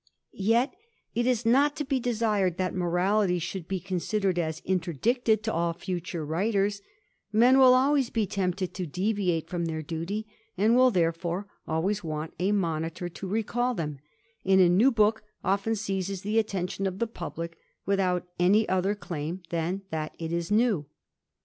Yet it is not to be desired, that moraUty should be con rfdered as interdicted to all future writers : men will always be tempted to deviate from their duty, and will, therefore, *lways want a monitor to recall them ; and a new book often seizes the attention of the publick, without any other ebim than that it is new.